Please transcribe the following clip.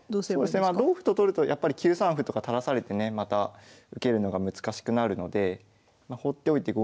同歩と取るとやっぱり９三歩とか垂らされてねまた受けるのが難しくなるので放っておいて５